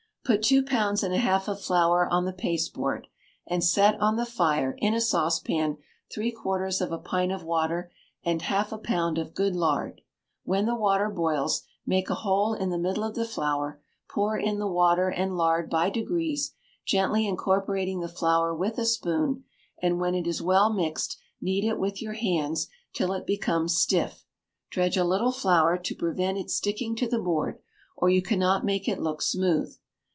Put two pounds and a half of flour on the pasteboard, and set on the fire, in a saucepan, three quarters of a pint of water, and half a pound of good lard. When the water boils, make a hole in the middle of the flour, pour in the water and lard by degrees, gently incorporating the flour with a spoon, and when it is well mixed, knead it with your hands till it becomes stiff; dredge a little flour to prevent it sticking to the board, or you cannot make it look smooth.